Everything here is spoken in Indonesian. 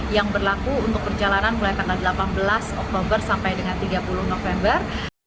yang berlaku untuk perjalanan mulai tanggal delapan belas oktober sampai dengan tiga puluh november